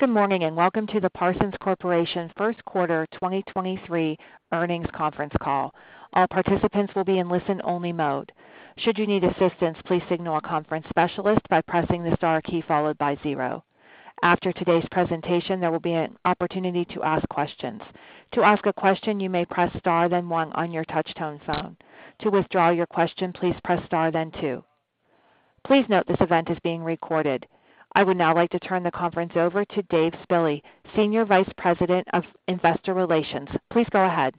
Good morning, and welcome to the Parsons Corporation First Quarter 2023 Earnings Conference Call. All participants will be in listen-only mode. Should you need assistance, please signal a conference specialist by pressing the star key followed by zero. After today's presentation, there will be an opportunity to ask questions. To ask a question, you may press Star then One on your touchtone phone. To withdraw your question, please press Star then Two. Please note this event is being recorded. I would now like to turn the conference over to Dave Spille, Senior Vice President of Investor Relations. Please go ahead.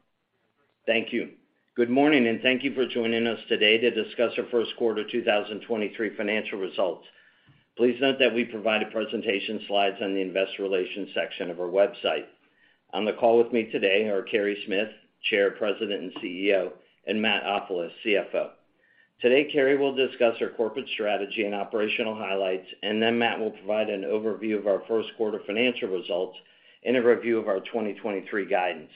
Thank you. Good morning. Thank you for joining us today to discuss our first quarter 2023 financial results. Please note that we provide a presentation slides on the investor relations section of our website. On the call with me today are Carey Smith, Chair, President, and CEO, and Matt Ofilos, CFO. Today, Carey will discuss our corporate strategy and operational highlights. Matt will provide an overview of our first quarter financial results in a review of our 2023 guidance.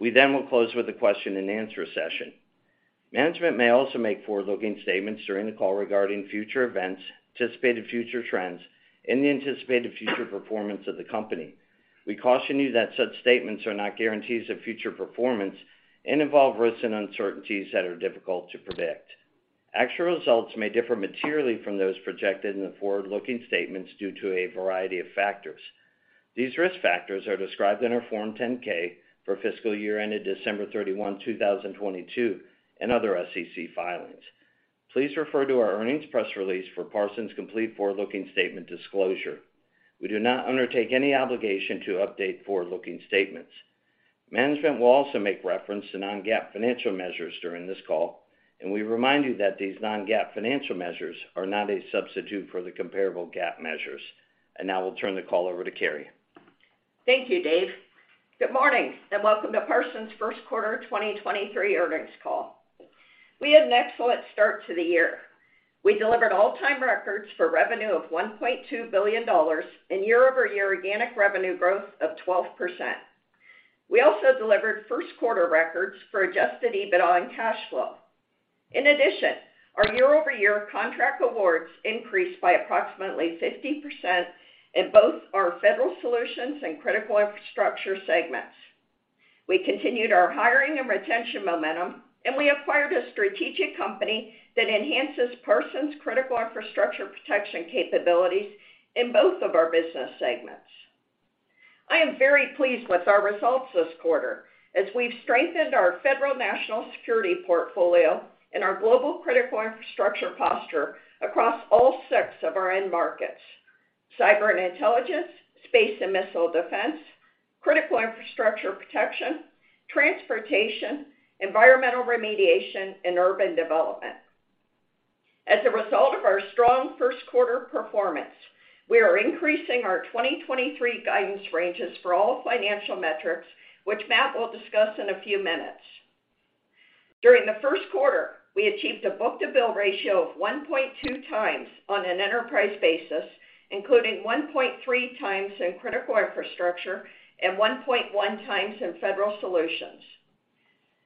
We will close with a question-and-answer session. Management may also make forward-looking statements during the call regarding future events, anticipated future trends, and the anticipated future performance of the company. We caution you that such statements are not guarantees of future performance and involve risks and uncertainties that are difficult to predict. Actual results may differ materially from those projected in the forward-looking statements due to a variety of factors. These risk factors are described in our Form 10-K for fiscal year ended December 31, 2022, and other SEC filings. Please refer to our earnings press release for Parsons' complete forward-looking statement disclosure. We do not undertake any obligation to update forward-looking statements. Management will also make reference to non-GAAP financial measures during this call. We remind you that these non-GAAP financial measures are not a substitute for the comparable GAAP measures. Now we'll turn the call over to Carey. Thank you, Dave. Good morning, and welcome to Parsons' first quarter 2023 earnings call. We had an excellent start to the year. We delivered all-time records for revenue of $1.2 billion and year-over-year organic revenue growth of 12%. We also delivered first quarter records for adjusted EBITDA and cash flow. In addition, our year-over-year contract awards increased by approximately 50% in both our Federal Solutions and Critical Infrastructure segments. We continued our hiring and retention momentum, and we acquired a strategic company that enhances Parsons' Critical Infrastructure Protection capabilities in both of our business segments. I am very pleased with our results this quarter as we've strengthened our federal national security portfolio and our global critical infrastructure posture across all six of our end markets: cyber and intelligence, space and missile defense, Critical Infrastructure Protection, transportation, environmental remediation, and urban development. As a result of our strong first quarter performance, we are increasing our 2023 guidance ranges for all financial metrics, which Matt will discuss in a few minutes. During the first quarter, we achieved a book-to-bill ratio of 1.2 times on an enterprise basis, including 1.3 times in Critical Infrastructure and 1.1 times in Federal Solutions.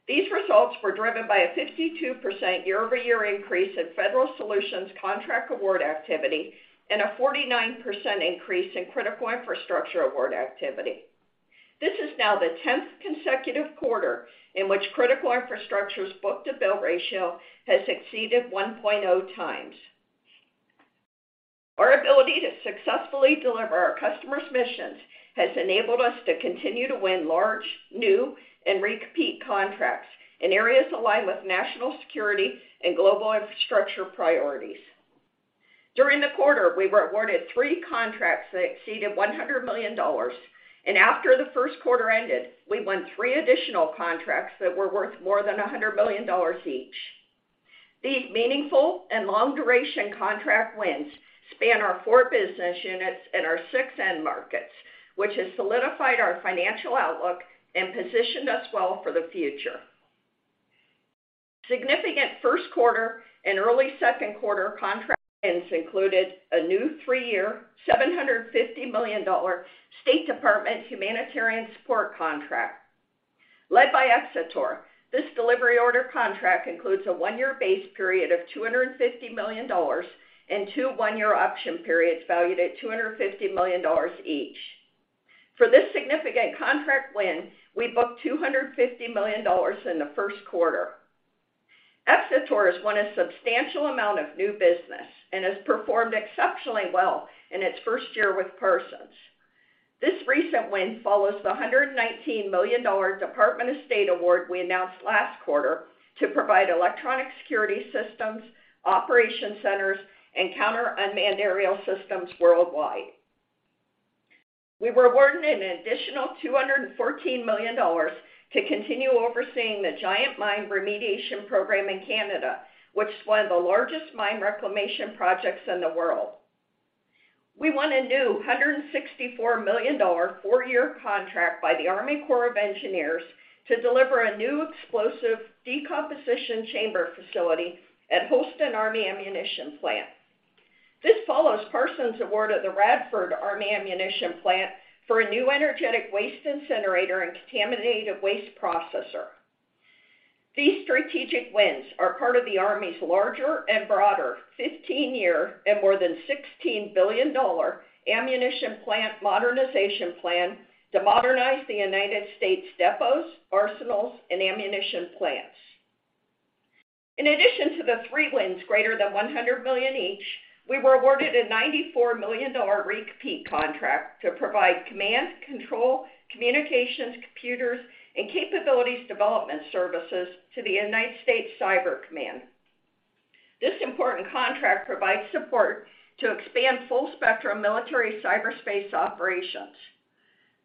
These results were driven by a 52% year-over-year increase in Federal Solutions contract award activity and a 49% increase in Critical Infrastructure award activity. This is now the 10th consecutive quarter in which Critical Infrastructure's book-to-bill ratio has exceeded 1.0 times. Our ability to successfully deliver our customers' missions has enabled us to continue to win large, new, and recompete contracts in areas aligned with national security and global infrastructure priorities. During the quarter, we were awarded 3 contracts that exceeded $100 million, and after the first quarter ended, we won 3 additional contracts that were worth more than $100 million each. These meaningful and long-duration contract wins span our 4 business units and our 6 end markets, which has solidified our financial outlook and positioned us well for the future. Significant first quarter and early second quarter contract wins included a new 3-year, $750 million State Department humanitarian support contract. Led by Xator, this delivery order contract includes a 1-year base period of $250 million and 2 1-year option periods valued at $250 million each. For this significant contract win, we booked $250 million in the first quarter. Xator has won a substantial amount of new business and has performed exceptionally well in its first year with Parsons. This recent win follows the $119 million Department of State award we announced last quarter to provide electronic security systems, operation centers, and counter unmanned aerial systems worldwide. We were awarded an additional $214 million to continue overseeing the Giant Mine remediation program in Canada, which is one of the largest mine reclamation projects in the world. We won a new $164 million four-year contract by the Army Corps of Engineers to deliver a new explosive decomposition chamber facility at Holston Army Ammunition Plant. This follows Parsons' award of the Radford Army Ammunition Plant for a new energetic waste incinerator and contaminated waste processor. These strategic wins are part of the Army's larger and broader 15-year and more than $16 billion ammunition plant modernization plan to modernize the U.S. depots, arsenals, and ammunition plants. In addition to the three wins greater than $100 million each, we were awarded a $94 million recompete contract to provide command, control, communications, computers, and capabilities development services to the United States Cyber Command. This important contract provides support to expand full-spectrum military cyberspace operations.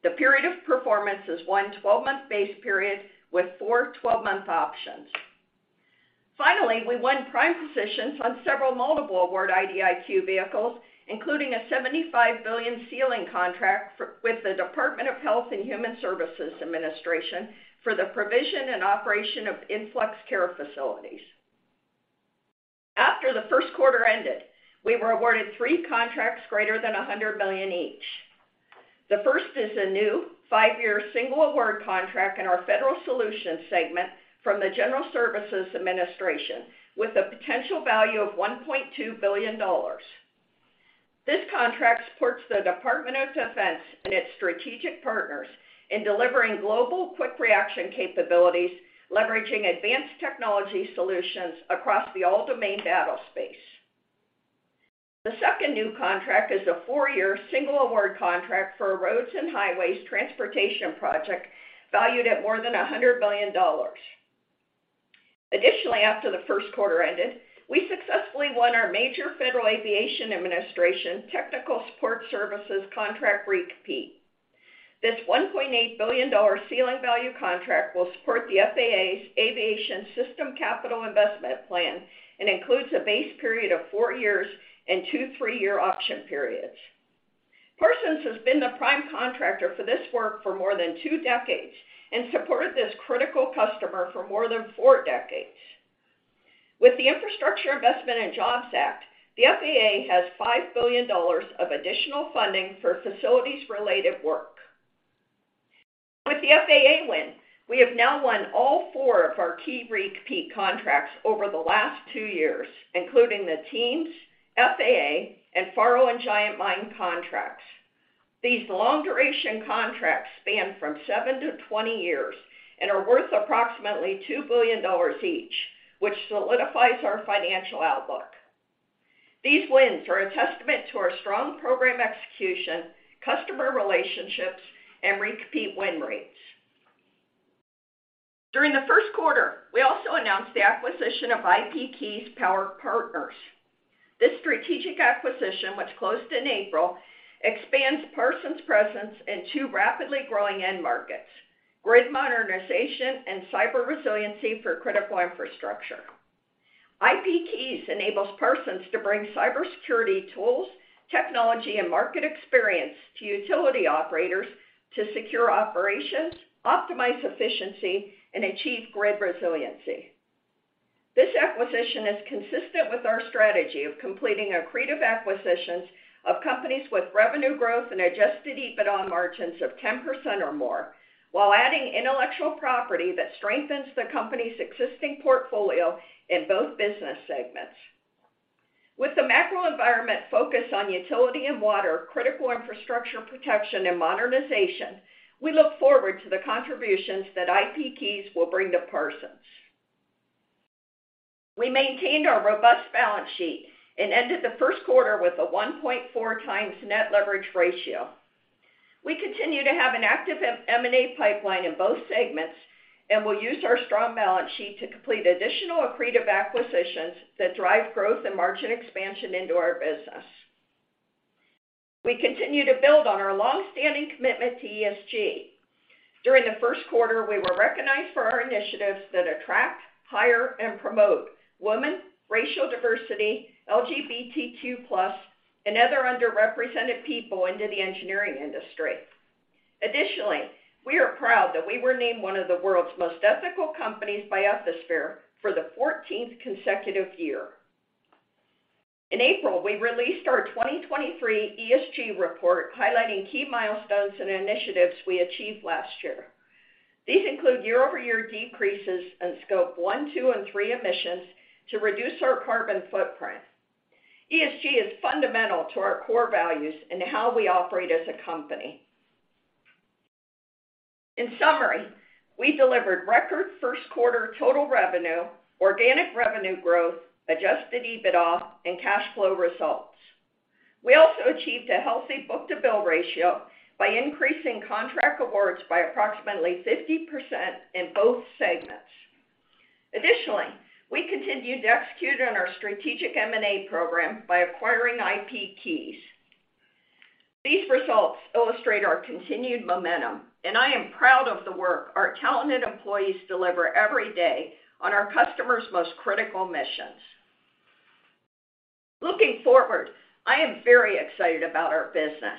The period of performance is one 12-month base period with four 12-month options. We won prime positions on several multiple award IDIQ vehicles, including a $75 billion ceiling contract with the Department of Health and Human Services Administration for the provision and operation of influx care facilities. After the first quarter ended, we were awarded three contracts greater than $100 million each. The first is a new five-year single award contract in our Federal Solutions segment from the General Services Administration with a potential value of $1.2 billion. This contract supports the Department of Defense and its strategic partners in delivering global quick reaction capabilities, leveraging advanced technology solutions across the all-domain battle space. The second new contract is a four-year single award contract for a roads and highways transportation project valued at more than $100 million. After the first quarter ended, we successfully won our major Federal Aviation Administration Technical Support Services contract re-compete. This $1.8 billion ceiling value contract will support the FAA's Aviation System Capital Investment Plan and includes a base period of four years and two three-year option periods. Parsons has been the prime contractor for this work for more than 2 decades and supported this critical customer for more than 4 decades. With the Infrastructure Investment and Jobs Act, the FAA has $5 billion of additional funding for facilities-related work. With the FAA win, we have now won all 4 of our key re-compete contracts over the last 2 years, including the TEAMS, FAA, Faro, and Giant Mine contracts. These long-duration contracts span from 7-20 years and are worth approximately $2 billion each, which solidifies our financial outlook. These wins are a testament to our strong program execution, customer relationships, and re-compete win rates. During the 1st quarter, we also announced the acquisition of IPKeys Power Partners. This strategic acquisition, which closed in April, expands Parsons' presence in 2 rapidly growing end markets, grid modernization and cyber resiliency for Critical Infrastructure. IPKeys enables Parsons to bring cybersecurity tools, technology, and market experience to utility operators to secure operations, optimize efficiency, and achieve grid resiliency. This acquisition is consistent with our strategy of completing accretive acquisitions of companies with revenue growth and adjusted EBITDA margins of 10% or more while adding intellectual property that strengthens the company's existing portfolio in both business segments. With the macro environment focused on utility and water, critical infrastructure protection and modernization, we look forward to the contributions that IPKeys will bring to Parsons. We maintained our robust balance sheet and ended the first quarter with a 1.4x net leverage ratio. We continue to have an active M&A pipeline in both segments and will use our strong balance sheet to complete additional accretive acquisitions that drive growth and margin expansion into our business. We continue to build on our long-standing commitment to ESG. During the first quarter, we were recognized for our initiatives that attract, hire, and promote women, racial diversity, LGBTQ+, and other underrepresented people into the engineering industry. We are proud that we were named one of the world's most ethical companies by Ethisphere for the 14th consecutive year. In April, we released our 2023 ESG report highlighting key milestones and initiatives we achieved last year. These include year-over-year decreases in Scope 1, 2, and 3 emissions to reduce our carbon footprint. ESG is fundamental to our core values and how we operate as a company. In summary, we delivered record first quarter total revenue, organic revenue growth, adjusted EBITDA, and cash flow results. We also achieved a healthy book-to-bill ratio by increasing contract awards by approximately 50% in both segments. We continued to execute on our strategic M&A program by acquiring IPKeys. These results illustrate our continued momentum, and I am proud of the work our talented employees deliver every day on our customers' most critical missions. Looking forward, I am very excited about our business.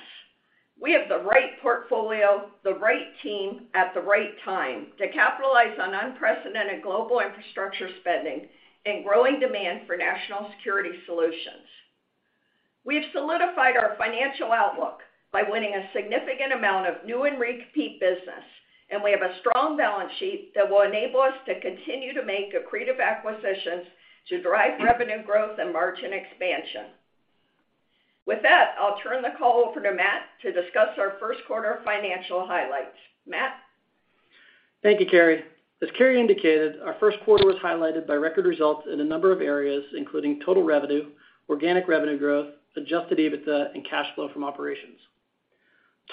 We have the right portfolio, the right team at the right time to capitalize on unprecedented global infrastructure spending and growing demand for national security solutions. We've solidified our financial outlook by winning a significant amount of new and repeat business, and we have a strong balance sheet that will enable us to continue to make accretive acquisitions to drive revenue growth and margin expansion. With that, I'll turn the call over to Matt to discuss our first quarter financial highlights. Matt? Thank you, Carey. As Carey indicated, our 1st quarter was highlighted by record results in a number of areas, including total revenue, organic revenue growth, adjusted EBITDA, and cash flow from operations.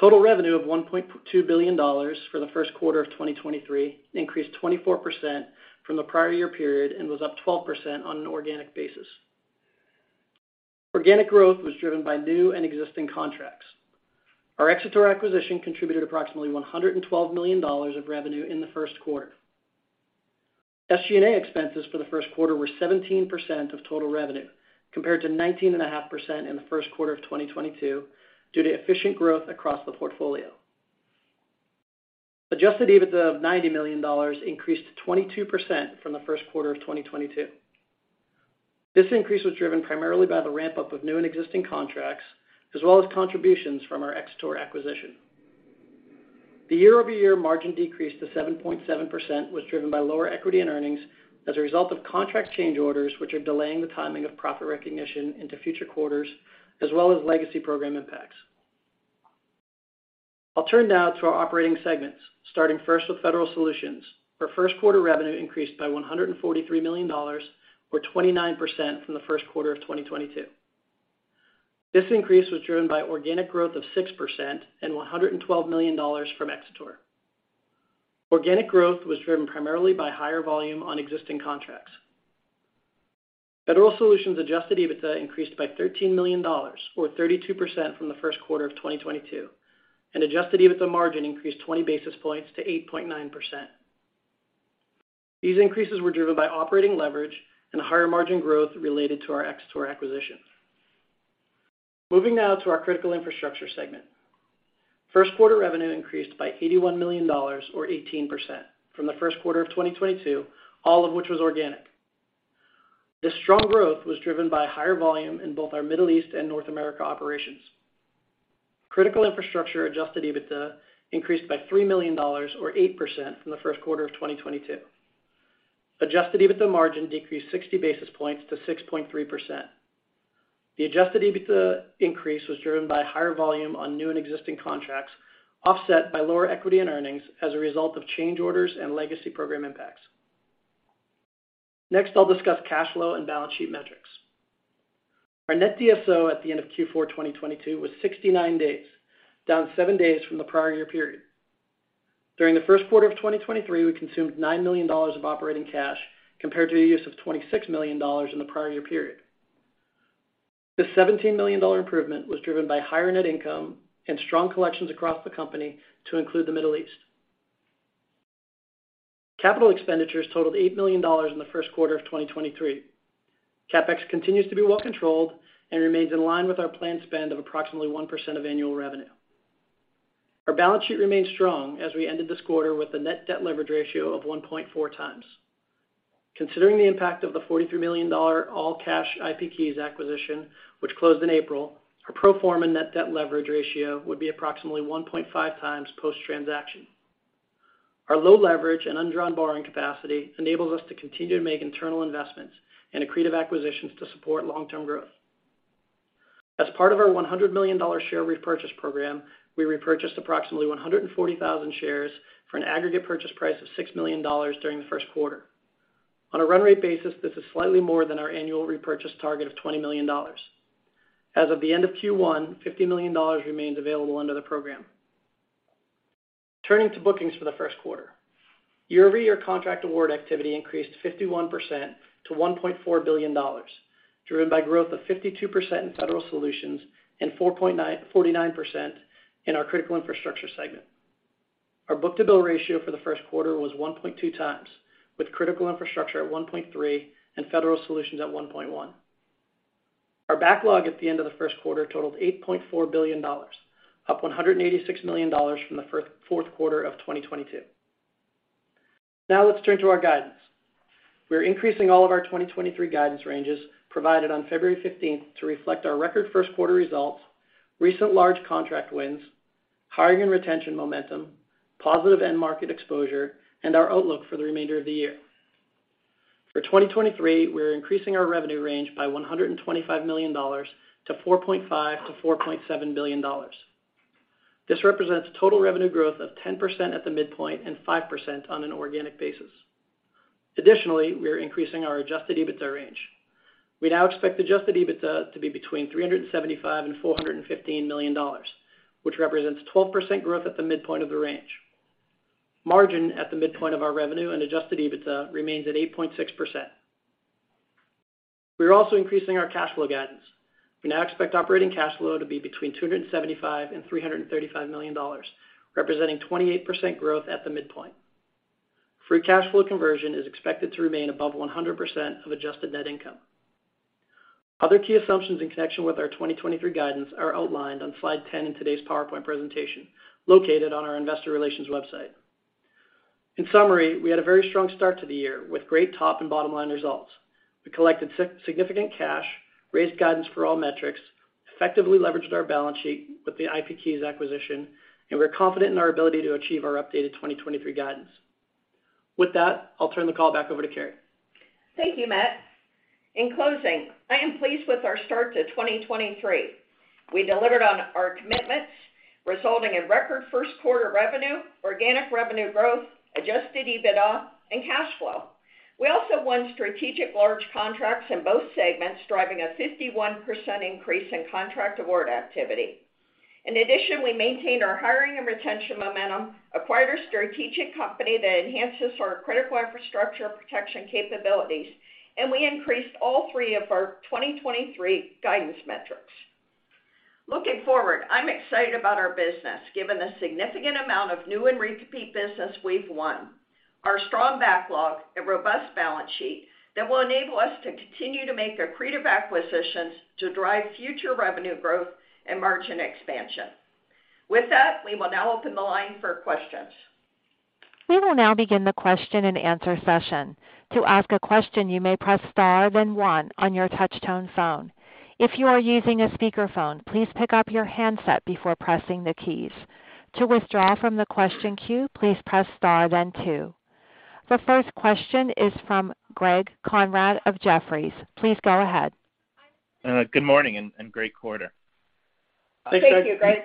Total revenue of $1.2 billion for the 1st quarter of 2023 increased 24% from the prior year period and was up 12% on an organic basis. Organic growth was driven by new and existing contracts. Our Xator acquisition contributed approximately $112 million of revenue in the 1st quarter. SG&A expenses for the 1st quarter were 17% of total revenue, compared to 19.5% in the 1st quarter of 2022 due to efficient growth across the portfolio. Adjusted EBITDA of $90 million increased to 22% from the 1st quarter of 2022. This increase was driven primarily by the ramp-up of new and existing contracts, as well as contributions from our Xator acquisition. The year-over-year margin decrease to 7.7% was driven by lower equity and earnings as a result of contract change orders, which are delaying the timing of profit recognition into future quarters, as well as legacy program impacts. I'll turn now to our operating segments, starting first with Federal Solutions, where first quarter revenue increased by $143 million, or 29% from the first quarter of 2022. This increase was driven by organic growth of 6% and $112 million from Xator. Organic growth was driven primarily by higher volume on existing contracts. Federal Solutions adjusted EBITDA increased by $13 million, or 32% from the first quarter of 2022. Adjusted EBITDA margin increased 20 basis points to 8.9%. These increases were driven by operating leverage and higher margin growth related to our Xator acquisitions. Moving now to our Critical Infrastructure segment. First quarter revenue increased by $81 million or 18% from the first quarter of 2022, all of which was organic. This strong growth was driven by higher volume in both our Middle East and North America operations. Critical Infrastructure adjusted EBITDA increased by $3 million or 8% from the first quarter of 2022. Adjusted EBITDA margin decreased 60 basis points to 6.3%. The adjusted EBITDA increase was driven by higher volume on new and existing contracts, offset by lower equity in earnings as a result of change orders and legacy program impacts. I'll discuss cash flow and balance sheet metrics. Our net DSO at the end of Q4 2022 was 69 days, down 7 days from the prior year period. During the first quarter of 2023, we consumed $9 million of operating cash, compared to the use of $26 million in the prior year period. This $17 million improvement was driven by higher net income and strong collections across the company to include the Middle East. Capital expenditures totaled $8 million in the first quarter of 2023. CapEx continues to be well controlled and remains in line with our planned spend of approximately 1% of annual revenue. Our balance sheet remains strong as we ended this quarter with a net debt leverage ratio of 1.4 times. Considering the impact of the $43 million all-cash IPKeys acquisition, which closed in April, our pro forma net debt leverage ratio would be approximately 1.5 times post-transaction. Our low leverage and undrawn borrowing capacity enables us to continue to make internal investments and accretive acquisitions to support long-term growth. As part of our $100 million share repurchase program, we repurchased approximately 140,000 shares for an aggregate purchase price of $6 million during the first quarter. On a run rate basis, this is slightly more than our annual repurchase target of $20 million. As of the end of Q1, $50 million remains available under the program. Turning to bookings for the first quarter. Year-over-year contract award activity increased 51% to $1.4 billion, driven by growth of 52% in Federal Solutions and 49% in our Critical Infrastructure segment. Our book-to-bill ratio for the first quarter was 1.2 times, with Critical Infrastructure at 1.3 and Federal Solutions at 1.1. Our backlog at the end of the first quarter totaled $8.4 billion, up $186 million from the fourth quarter of 2022. Let's turn to our guidance. We are increasing all of our 2023 guidance ranges provided on February 15th to reflect our record first quarter results, recent large contract wins, hiring and retention momentum, positive end market exposure, and our outlook for the remainder of the year. For 2023, we are increasing our revenue range by $125 million to $4.5 billion-$4.7 billion. This represents total revenue growth of 10% at the midpoint and 5% on an organic basis. Additionally, we are increasing our adjusted EBITDA range. We now expect adjusted EBITDA to be between $375 million and $415 million, which represents 12% growth at the midpoint of the range. Margin at the midpoint of our revenue and adjusted EBITDA remains at 8.6%. We are also increasing our cash flow guidance. We now expect operating cash flow to be between $275 million and $335 million, representing 28% growth at the midpoint. Free cash flow conversion is expected to remain above 100% of adjusted net income. Other key assumptions in connection with our 2023 guidance are outlined on slide 10 in today's PowerPoint presentation, located on our investor relations website. In summary, we had a very strong start to the year with great top and bottom-line results. We collected significant cash, raised guidance for all metrics, effectively leveraged our balance sheet with the IPKeys acquisition, and we're confident in our ability to achieve our updated 2023 guidance. With that, I'll turn the call back over to Carey. Thank you, Matt. In closing, I am pleased with our start to 2023. We delivered on our commitments, resulting in record first quarter revenue, organic revenue growth, adjusted EBITDA and cash flow. We also won strategic large contracts in both segments, driving a 51% increase in contract award activity. In addition, we maintained our hiring and retention momentum, acquired a strategic company that enhances our critical infrastructure protection capabilities, and we increased all three of our 2023 guidance metrics. Looking forward, I'm excited about our business given the significant amount of new and repeat business we've won, our strong backlog and robust balance sheet that will enable us to continue to make accretive acquisitions to drive future revenue growth and margin expansion. With that, we will now open the line for questions. We will now begin the question-and-answer session. To ask a question, you may press star, then one on your touch-tone phone. If you are using a speakerphone, please pick up your handset before pressing the keys. To withdraw from the question queue, please press star then two. The first question is from Greg Conrad of Jefferies. Please go ahead. Good morning and great quarter. Thank you, Greg.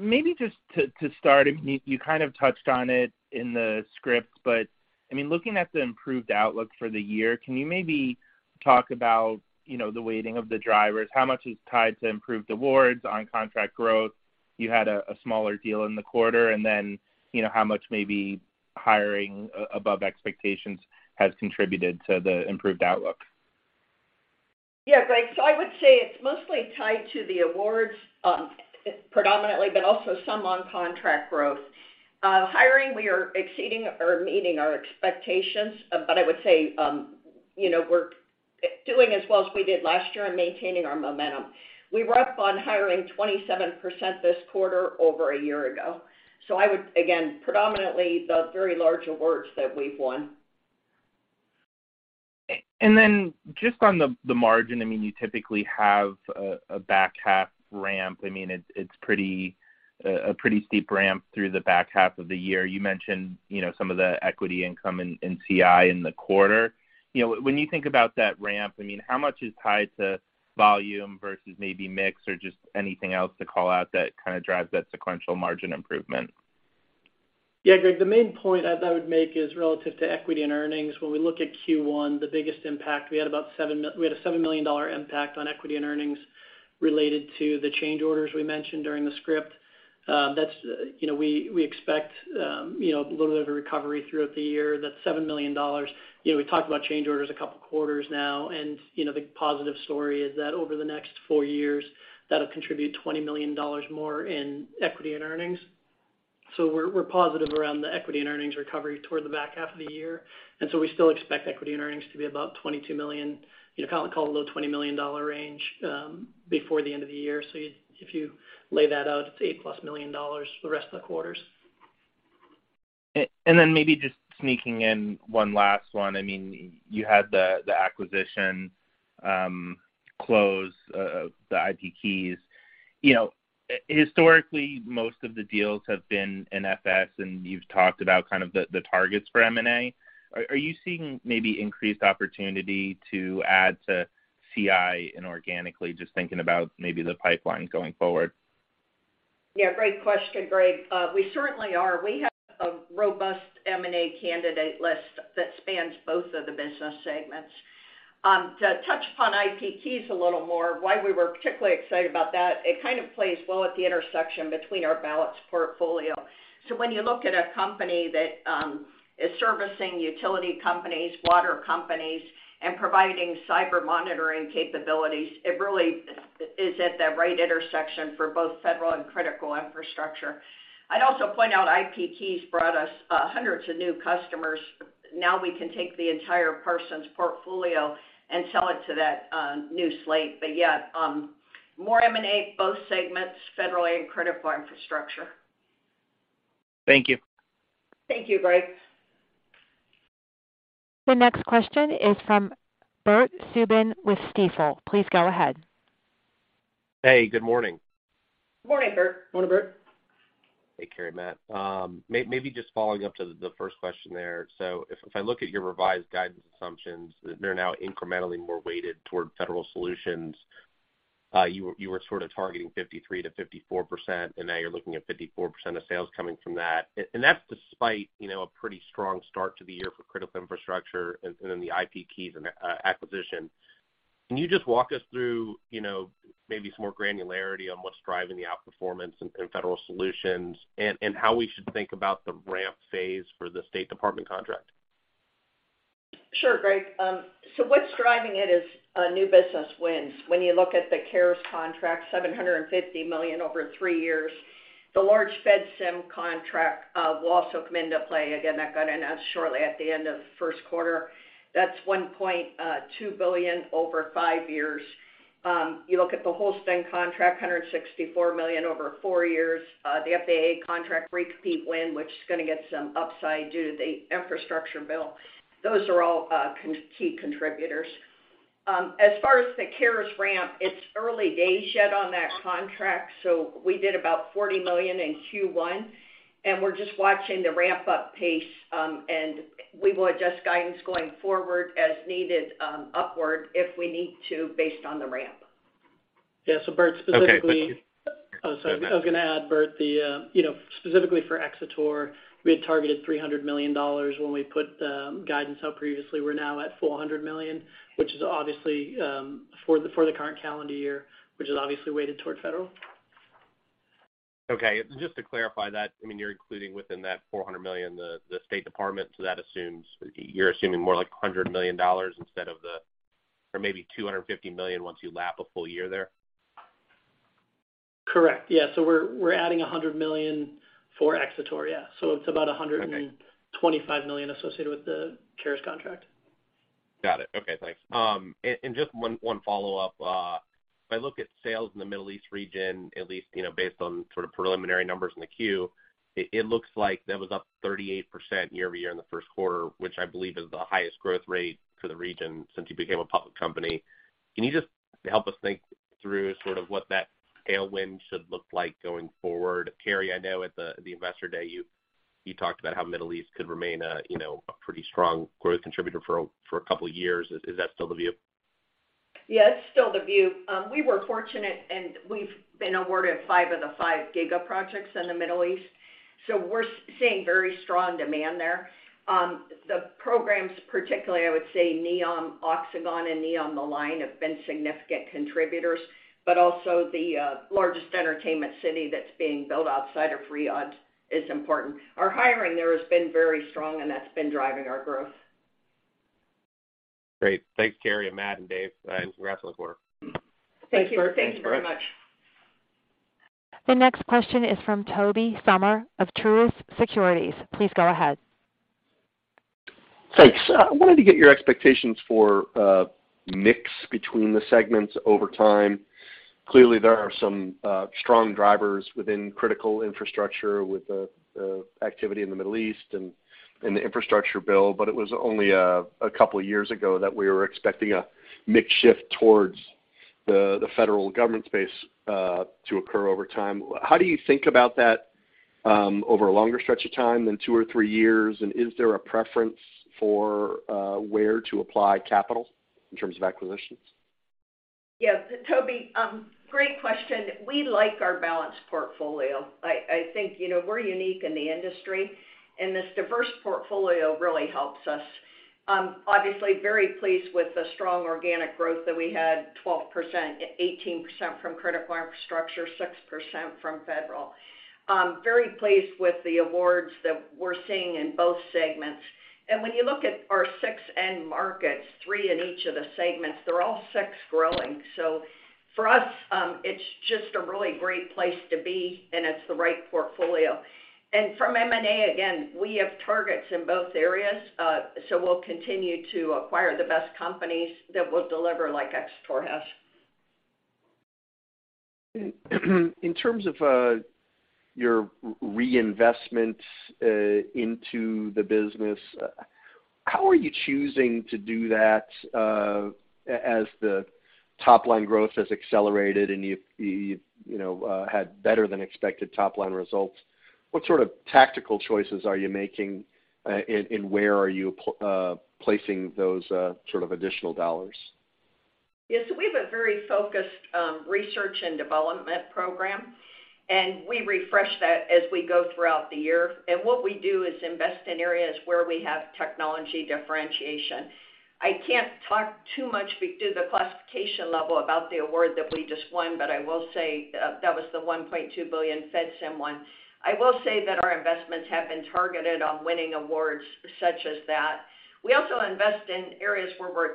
Maybe just to start, you kind of touched on it in the script, but I mean, looking at the improved outlook for the year, can you maybe talk about, you know, the weighting of the drivers? How much is tied to improved awards on contract growth? You had a smaller deal in the quarter and then, you know, how much maybe hiring above expectations has contributed to the improved outlook. Greg. I would say it's mostly tied to the awards, predominantly, but also some on contract growth. Hiring we are exceeding or meeting our expectations, but I would say, you know, we're doing as well as we did last year and maintaining our momentum. We were up on hiring 27% this quarter over a year ago. I would, again, predominantly the very large awards that we've won. Just on the margin, I mean, you typically have a back half ramp. I mean, it's a pretty steep ramp through the back half of the year. You mentioned, you know, some of the equity income in CI in the quarter. You know, when you think about that ramp, I mean, how much is tied to volume versus maybe mix or just anything else to call out that kind of drives that sequential margin improvement? Greg, the main point I would make is relative to equity and earnings. When we look at Q1, the biggest impact, we had a $7 million impact on equity and earnings related to the change orders we mentioned during the script. That's, you know, we expect, you know, a little bit of a recovery throughout the year. That's $7 million. You know, we talked about change orders a couple of quarters now and, you know, the positive story is that over the next four years, that'll contribute $20 million more in equity and earnings. We're positive around the equity and earnings recovery toward the back half of the year. We still expect equity and earnings to be about $22 million, you know, call it low $20 million range, before the end of the year. If you lay that out, it's $8+ million for the rest of the quarters. Maybe just sneaking in one last one. I mean, you had the acquisition close, the IPKeys. You know, historically, most of the deals have been in FS, and you've talked about kind of the targets for M&A. Are you seeing maybe increased opportunity to add to CI inorganically, just thinking about maybe the pipeline going forward? Yeah, great question, Greg. We certainly are. We have a robust M&A candidate list that spans both of the business segments. To touch upon IPKeys a little more, why we were particularly excited about that, it kind of plays well at the intersection between our balanced portfolio. When you look at a company that is servicing utility companies, water companies, and providing cyber monitoring capabilities, it really is at the right intersection for both Federal and Critical Infrastructure. I'd also point out IPKeys brought us hundreds of new customers. Now we can take the entire Parsons portfolio and sell it to that new slate. Yeah, more M&A, both segments, Federal and Critical Infrastructure. Thank you. Thank you, Greg. The next question is from Bert Subin with Stifel. Please go ahead. Hey, good morning. Morning, Bert. Morning, Bert. Hey, Carey, Matt. maybe just following up to the first question there. If I look at your revised guidance assumptions, they're now incrementally more weighted toward Federal Solutions. you were sort of targeting 53%-54%, and now you're looking at 54% of sales coming from that. That's despite, you know, a pretty strong start to the year for Critical Infrastructure and then the IPKeys acquisition. Can you just walk us through, you know, maybe some more granularity on what's driving the outperformance in Federal Solutions and how we should think about the ramp phase for the State Department contract? Sure, Greg. What's driving it is new business wins. When you look at the CARES contract, $750 million over 3 years. The large FedSIM contract will also come into play. Again, that got announced shortly at the end of first quarter. That's $1.2 billion over 5 years. You look at the Holston contract, $164 million over 4 years. The FAA contract re-compete win, which is gonna get some upside due to the infrastructure bill. Those are all key contributors. As far as the CARES ramp, it's early days yet on that contract. We did about $40 million in Q1, and we're just watching the ramp-up pace, and we will adjust guidance going forward as needed, upward if we need to based on the ramp. Yeah. Bert, Okay, thank you. Oh, sorry. I was gonna add, Bert, the, you know, specifically for Xator, we had targeted $300 million when we put guidance out previously. We're now at $400 million, which is obviously, for the current calendar year, which is obviously weighted toward Federal. Just to clarify that, I mean, you're including within that $400 million the State Department, so that you're assuming more like $100 million instead of the... Or maybe $250 million once you lap a full year there? Correct. Yeah. We're adding $100 million for Xator, yeah. Okay... and $25 million associated with the CARES contract. Got it. Okay, thanks. Just one follow-up. If I look at sales in the Middle East region, at least, you know, based on sort of preliminary numbers in the queue, it looks like that was up 38% year-over-year in the first quarter, which I believe is the highest growth rate for the region since you became a public company. Can you just help us think through sort of what that tailwind should look like going forward? Carey, I know at the Investor Day, you talked about how Middle East could remain a, you know, a pretty strong growth contributor for a couple of years. Is that still the view? Yeah, it's still the view. We were fortunate, and we've been awarded 5 of the 5 giga projects in the Middle East. We're seeing very strong demand there. The programs, particularly, I would say, Neom Oxagon and Neom The Line have been significant contributors, but also the largest entertainment city that's being built outside of Riyadh is important. Our hiring there has been very strong, and that's been driving our growth. Great. Thanks, Carey and Matt and Dave. Congrats on the quarter. Thank you. Thanks, Bert. Thanks very much. The next question is from Tobey Sommer of Truist Securities. Please go ahead. Thanks. I wanted to get your expectations for mix between the segments over time. Clearly, there are some strong drivers within Critical Infrastructure with the activity in the Middle East and in the infrastructure bill, but it was only a couple of years ago that we were expecting a mix shift towards the federal government space to occur over time. How do you think about that over a longer stretch of time than two or three years? And is there a preference for where to apply capital in terms of acquisitions? Yeah. Tobey, great question. We like our balanced portfolio. I think, you know, we're unique in the industry, and this diverse portfolio really helps us. Obviously very pleased with the strong organic growth that we had, 12%, 18% from Critical Infrastructure, 6% from Federal. Very pleased with the awards that we're seeing in both segments. When you look at our 6 end markets, 3 in each of the segments, they're all 6 growing. For us, it's just a really great place to be, and it's the right portfolio. From M&A, again, we have targets in both areas, so we'll continue to acquire the best companies that will deliver like Xator has. In terms of your reinvestment into the business, how are you choosing to do that as the top line growth has accelerated and you've, you know, had better than expected top line results, what sort of tactical choices are you making, and where are you placing those sort of additional dollars? Yes, we have a very focused research and development program, we refresh that as we go throughout the year. What we do is invest in areas where we have technology differentiation. I can't talk too much due to the classification level about the award that we just won, but I will say that was the $1.2 billion FEDSIM one. I will say that our investments have been targeted on winning awards such as that. We also invest in areas where we're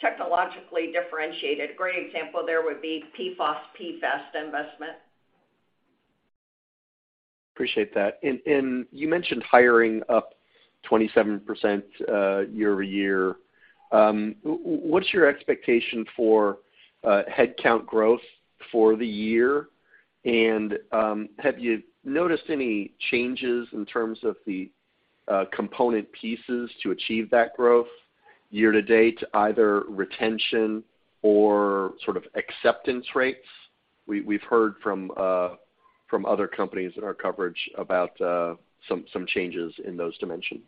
technologically differentiated. Great example there would be PFOS, PFAS investment. Appreciate that. You mentioned hiring up 27% year-over-year. What's your expectation for headcount growth for the year? Have you noticed any changes in terms of the component pieces to achieve that growth year to date, either retention or sort of acceptance rates? We've heard from other companies in our coverage about some changes in those dimensions.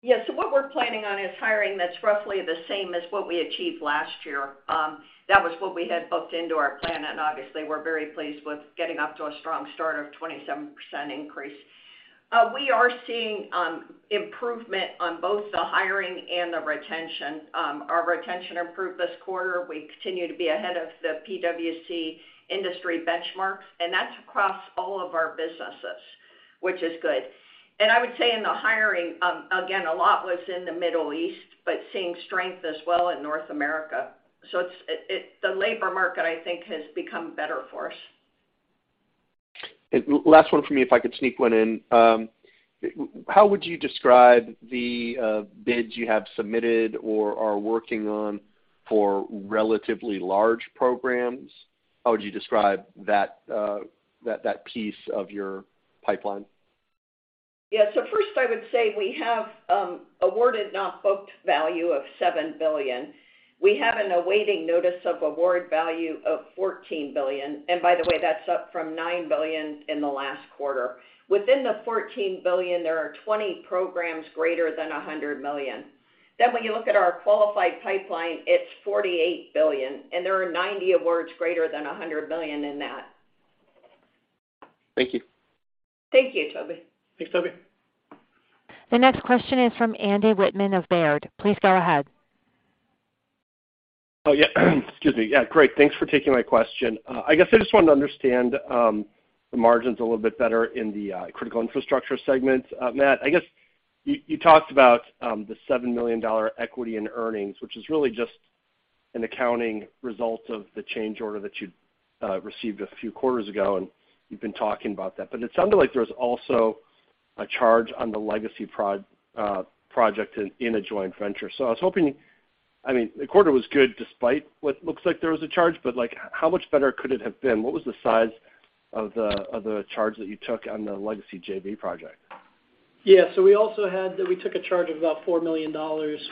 Yeah. What we're planning on is hiring that's roughly the same as what we achieved last year. That was what we had booked into our plan, and obviously, we're very pleased with getting off to a strong start of 27% increase. We are seeing improvement on both the hiring and the retention. Our retention improved this quarter. We continue to be ahead of the PwC industry benchmarks, and that's across all of our businesses, which is good. I would say in the hiring, again, a lot was in the Middle East, but seeing strength as well in North America. It's the labor market, I think, has become better for us. Last one for me, if I could sneak one in. How would you describe the bids you have submitted or are working on for relatively large programs? How would you describe that piece of your pipeline? First, I would say we have awarded not booked value of $7 billion. We have an awaiting notice of award value of $14 billion. By the way, that's up from $9 billion in the last quarter. Within the $14 billion, there are 20 programs greater than $100 million. When you look at our qualified pipeline, it's $48 billion, and there are 90 awards greater than $100 million in that. Thank you. Thank you, Tobey. Thanks, Tobey. The next question is from Andrew Wittmann of Baird. Please go ahead. Oh, yeah. Excuse me. Great. Thanks for taking my question. I guess I just wanted to understand the margins a little bit better in the Critical Infrastructure segment. Matt, I guess you talked about the $7 million equity in earnings, which is really just an accounting result of the change order that you received a few quarters ago, and you've been talking about that. It sounded like there was also a charge on the legacy project in a joint venture. I mean, the quarter was good despite what looks like there was a charge, but, like, how much better could it have been? What was the size of the charge that you took on the legacy JV project? Yeah. We also had that we took a charge of about $4 million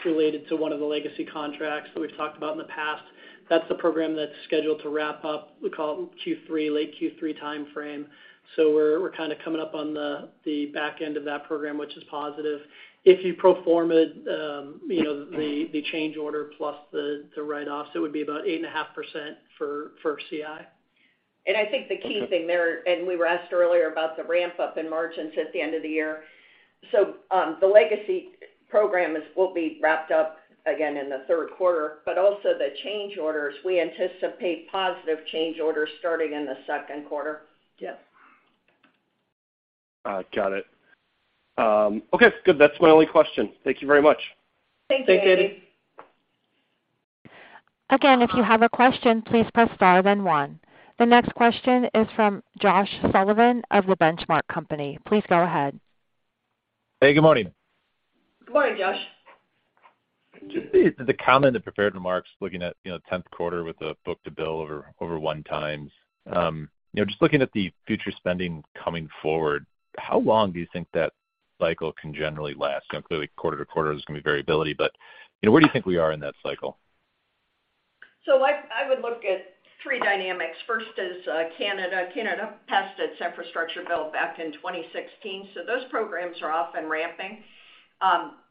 related to one of the legacy contracts that we've talked about in the past. That's the program that's scheduled to wrap up, we call Q3, late Q3 timeframe. We're kind of coming up on the back end of that program, which is positive. If you pro forma, you know, the change order plus the write-offs, it would be about 8.5% for CI. I think the key thing there, and we were asked earlier about the ramp-up in margins at the end of the year. The legacy program will be wrapped up again in the third quarter, but also the change orders, we anticipate positive change orders starting in the second quarter. Yeah. Got it. Okay, good. That's my only question. Thank you very much. Thank you, Andy. Thanks, Andy. If you have a question, please press Star then One. The next question is from Josh Sullivan of The Benchmark Company. Please go ahead. Hey, good morning. Good morning, Josh. Just the comment and prepared remarks looking at, you know, 10th quarter with the book-to-bill over one times. You know, just looking at the future spending coming forward, how long do you think that cycle can generally last? You know, clearly quarter-to-quarter there's gonna be variability, but, you know, where do you think we are in that cycle? I would look at three dynamics. First is Canada. Canada passed its infrastructure bill back in 2016, those programs are off and ramping.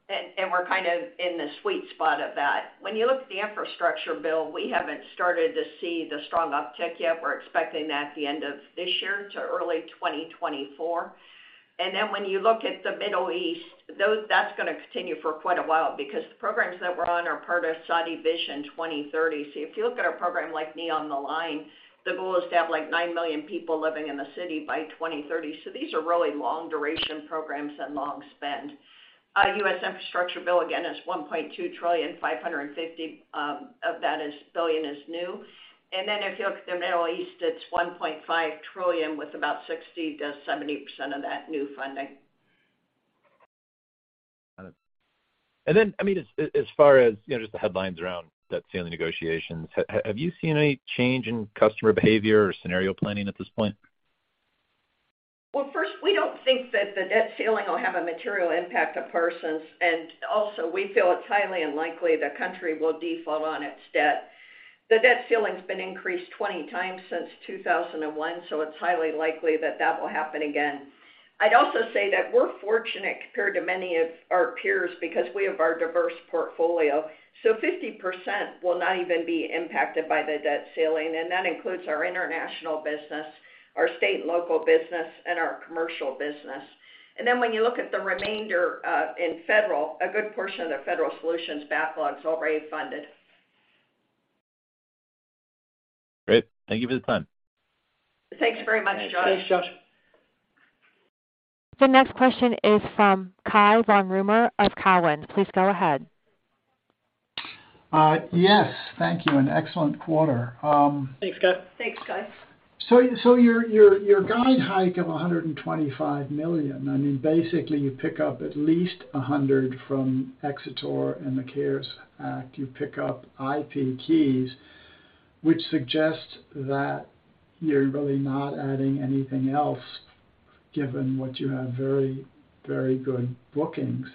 We're kind of in the sweet spot of that. When you look at the infrastructure bill, we haven't started to see the strong uptick yet. We're expecting that at the end of this year to early 2024. When you look at the Middle East, that's gonna continue for quite a while because the programs that we're on are part of Saudi Vision 2030. If you look at a program like NEOM Line, the goal is to have, like, 9 million people living in the city by 2030. These are really long duration programs and long spend. Our U.S. infrastructure bill again is $1.2 trillion, $550, of that is billion is new. If you look at the Middle East, it's $1.5 trillion with about 60%-70% of that new funding. Got it. Then, I mean, as far as, you know, just the headlines around debt ceiling negotiations, have you seen any change in customer behavior or scenario planning at this point? Well, first, we don't think that the debt ceiling will have a material impact of Parsons, and also we feel it's highly unlikely the country will default on its debt. The debt ceiling's been increased 20 times since 2001, so it's highly likely that that will happen again. I'd also say that we're fortunate compared to many of our peers because we have our diverse portfolio. 50% will not even be impacted by the debt ceiling, and that includes our international business, our state and local business, and our commercial business. When you look at the remainder, in Federal Solutions, a good portion of the Federal Solutions backlog is already funded. Great. Thank you for the time. Thanks very much, Josh. Thanks, Josh. The next question is from Cai von Rumohr of Cowen. Please go ahead. yes. Thank you. An excellent quarter. Thanks, Cai. Thanks, Cai. Your guide hike of $125 million. I mean, basically you pick up at least $100 million from Xator and the CARES Act. You pick up IPKeys, which suggests that you're really not adding anything else given what you have very good bookings.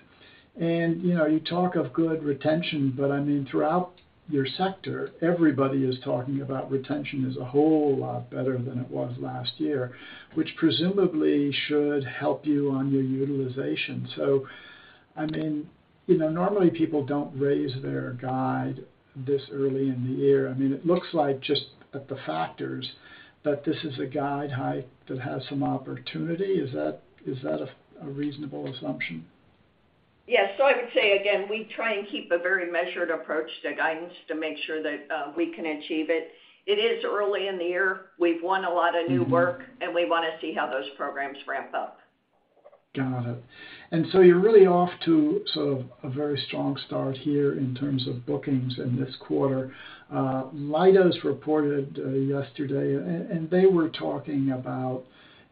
You know, you talk of good retention, but I mean, throughout your sector, everybody is talking about retention is a whole lot better than it was last year, which presumably should help you on your utilization. I mean, you know, normally people don't raise their guide this early in the year. I mean, it looks like just at the factors that this is a guide hike that has some opportunity. Is that a reasonable assumption? Yes. I would say again, we try and keep a very measured approach to guidance to make sure that we can achieve it. It is early in the year. We've won a lot of new work, and we wanna see how those programs ramp up. Got it. You're really off to sort of a very strong start here in terms of bookings in this quarter. Leidos reported yesterday, and they were talking about,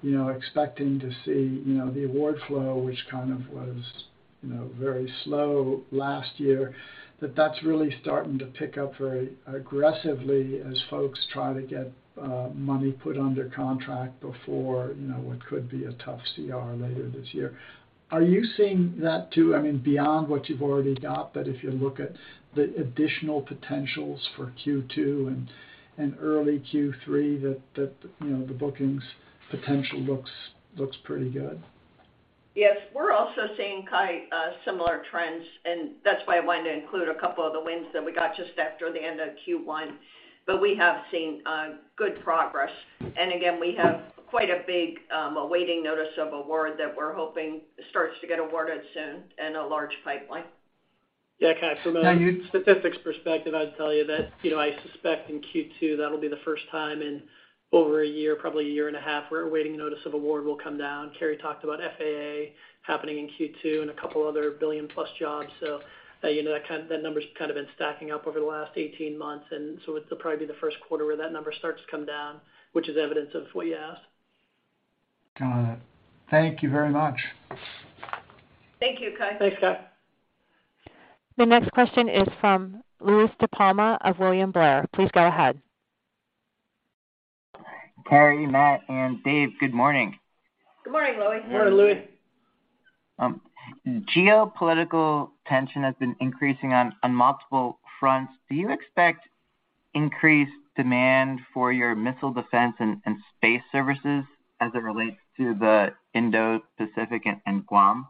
you know, expecting to see, you know, the award flow, which kind of was, you know, very slow last year, that that's really starting to pick up very aggressively as folks try to get money put under contract before, you know, what could be a tough CR later this year. Are you seeing that too? I mean, beyond what you've already got, but if you look at the additional potentials for Q2 and early Q3, you know, the bookings potential looks pretty good. Yes. We're also seeing kind, similar trends. That's why I wanted to include a couple of the wins that we got just after the end of Q1. We have seen good progress. Again, we have quite a big awaiting notice of award that we're hoping starts to get awarded soon and a large pipeline. Yeah, Cai. Now you- From a statistics perspective, I'd tell you that, you know, I suspect in Q2 that'll be the first time in over a year, probably a year and a half, where a waiting notice of award will come down. Carey talked about FAA happening in Q2 and a couple other billion-plus jobs. you know, that number's kind of been stacking up over the last 18 months, it'll probably be the first quarter where that number starts to come down, which is evidence of what you asked. Got it. Thank you very much. Thank you, Cai. Thanks, Cai. The next question is from Louie DiPalma of William Blair. Please go ahead. Carey, Matt, and Dave, good morning. Good morning, Louie. Morning, Louie. Geopolitical tension has been increasing on multiple fronts. Do you expect increased demand for your missile defense and space services as it relates to the Indo-Pacific and Guam?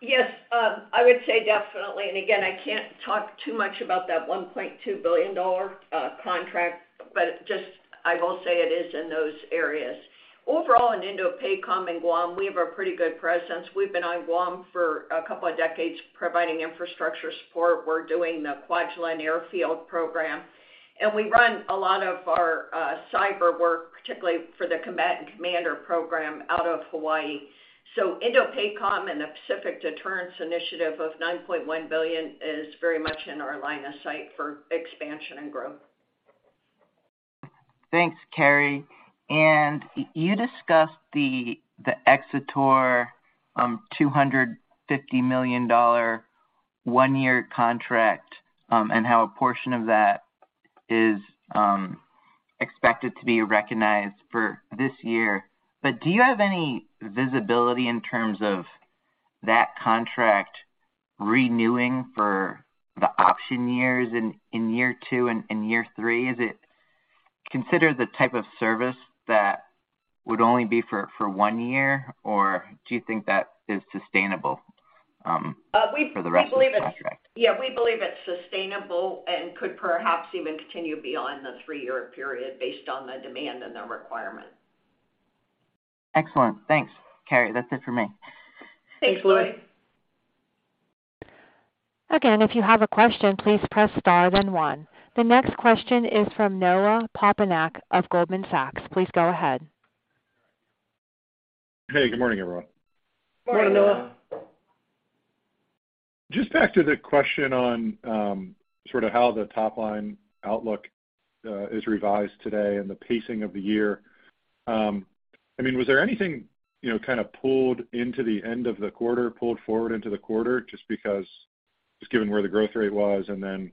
Yes, I would say definitely, and again, I can't talk too much about that $1.2 billion contract, but just I will say it is in those areas. Overall, in INDOPACOM and Guam, we have a pretty good presence. We've been on Guam for a couple of decades providing infrastructure support. We're doing the Kwajalein Airfield program. We run a lot of our cyber work, particularly for the combatant commander program out of Hawaii. INDOPACOM and the Pacific Deterrence Initiative of $9.1 billion is very much in our line of sight for expansion and growth. Thanks, Carey. You discussed the Xator $250 million 1-year contract, and how a portion of that is expected to be recognized for this year. Do you have any visibility in terms of that contract renewing for the option years in year 2 and in year 3? Is it considered the type of service that would only be for 1 year, or do you think that is sustainable for the rest of the contract? We believe, yeah, we believe it's sustainable and could perhaps even continue beyond the 3-year period based on the demand and the requirement. Excellent. Thanks, Carey. That's it for me. Thanks, Louie. Thanks, Louie. Again, if you have a question, please press star then one. The next question is from Noah Poponak of Goldman Sachs. Please go ahead. Hey, good morning, everyone. Morning. Morning, Noah. Just back to the question on, sort of how the top-line outlook is revised today and the pacing of the year. I mean, was there anything, you know, kind of pulled into the end of the quarter, pulled forward into the quarter, just given where the growth rate was and then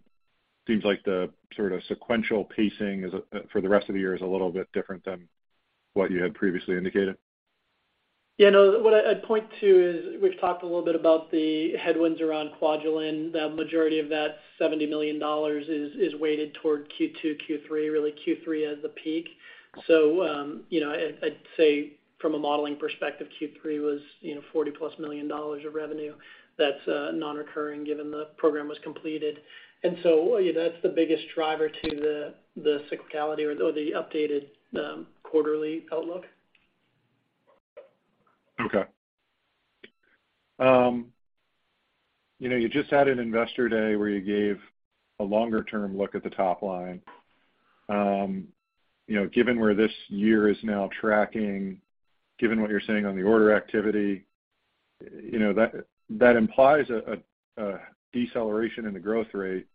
seems like the sort of sequential pacing is for the rest of the year is a little bit different than what you had previously indicated? Yeah, no. What I'd point to is we've talked a little bit about the headwinds around Kwajalein. The majority of that $70 million is weighted toward Q2, Q3, really Q3 as the peak. I'd say from a modeling perspective, Q3 was, you know, $40+ million of revenue. That's non-recurring given the program was completed. That's the biggest driver to the cyclicality or the updated quarterly outlook. Okay. You know, you just had an Investor Day where you gave a longer-term look at the top line. You know, given where this year is now tracking, given what you're seeing on the order activity, you know, that implies a deceleration in the growth rate.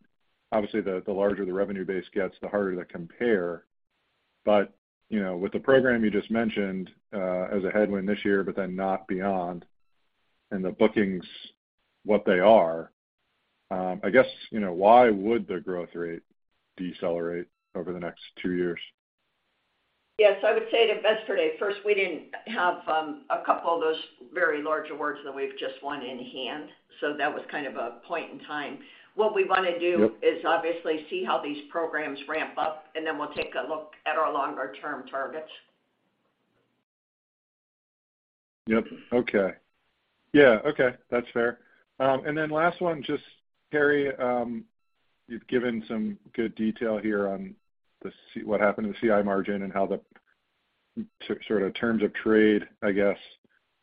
Obviously, the larger the revenue base gets, the harder to compare. You know, with the program you just mentioned, as a headwind this year, but then not beyond, and the bookings what they are, I guess, you know, why would the growth rate decelerate over the next two years? Yes, I would say at Investor Day, first, we didn't have, a couple of those very large awards that we've just won in hand. So that was kind of a point in time. Yep. Is obviously see how these programs ramp up, and then we'll take a look at our longer term targets. Yep. Okay. Yeah, okay. That's fair. Then last one, just Carey, you've given some good detail here on what happened to the CI margin and how the sort of terms of trade, I guess,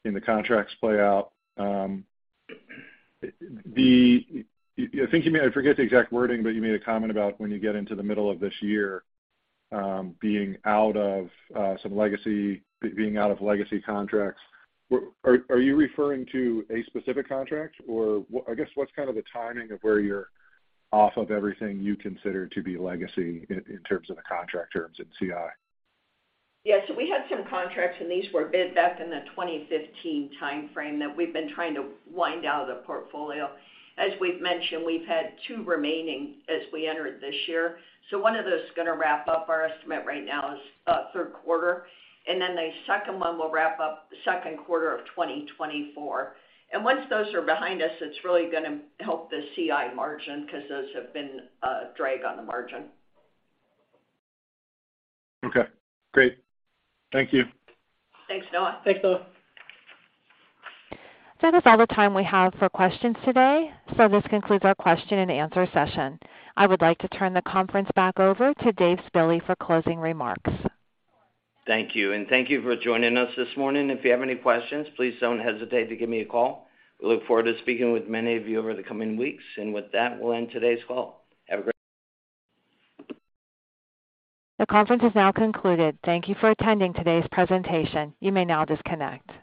in the contracts play out. I think you may, I forget the exact wording, but you made a comment about when you get into the middle of this year, being out of some legacy, being out of legacy contracts. Are you referring to a specific contract or I guess what's kind of the timing of where you're off of everything you consider to be legacy in terms of the contract terms in CI? Yeah. We had some contracts, and these were bid back in the 2015 timeframe that we've been trying to wind out of the portfolio. As we've mentioned, we've had two remaining as we entered this year. One of those is gonna wrap up. Our estimate right now is, third quarter, the second one will wrap up second quarter of 2024. Once those are behind us, it's really gonna help the CI margin 'cause those have been a drag on the margin. Okay, great. Thank you. Thanks, Noah. Thanks, Noah. That is all the time we have for questions today. This concludes our question and answer session. I would like to turn the conference back over to Dave Spille for closing remarks. Thank you. Thank you for joining us this morning. If you have any questions, please don't hesitate to give me a call. We look forward to speaking with many of you over the coming weeks. With that, we'll end today's call. Have a great- The conference has now concluded. Thank you for attending today's presentation. You may now disconnect.